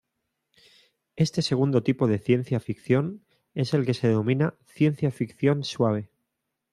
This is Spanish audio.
Este segundo tipo de ciencia ficción es el que se denomina "ciencia ficción suave".